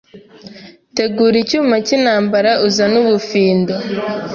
Tegura icyuma cyintambara Uzane ubufindo